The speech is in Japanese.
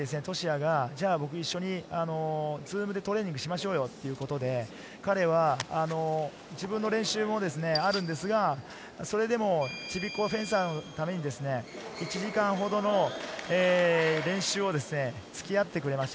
その時に俊哉が僕、一緒にズームでトレーニングしましょうよっていうことで、彼は自分の練習もあるんですが、それでも、ちびっ子フェンサーのために１時間ほどの練習を付き合ってくれました。